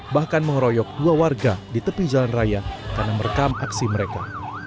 bahkan mengeroyok dua warga di tepi jalan raya karena merekam aksi mereka